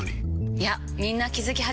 いやみんな気付き始めてます。